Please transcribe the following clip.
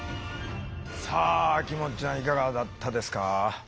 さあ秋元ちゃんいかがだったですか？